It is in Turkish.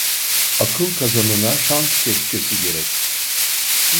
Akıl kazanına şans kepçesi gerek.